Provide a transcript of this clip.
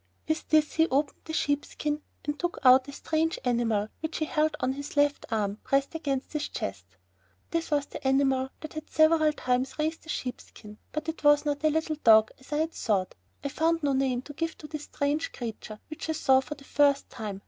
With this he opened the sheepskin and took out a strange animal which he held on his left arm, pressed against his chest. This was the animal that had several times raised the sheepskin, but it was not a little dog as I had thought. I found no name to give to this strange creature, which I saw for the first time.